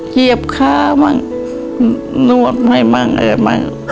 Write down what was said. เยียบข้าบ้างหนวบให้บ้าง